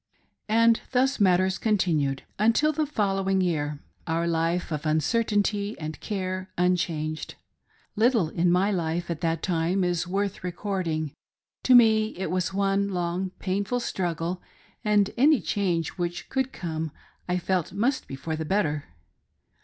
And thus matters continued until the following year — our life of uncertainty and care unchanged. Little in my life at that time is worth recording : to me it was one long, painful struggle, and any change which could come, I felt must be' for the better.